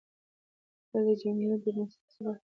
فعل د جملې بنسټیزه برخه ده.